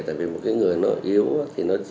tại vì một người nội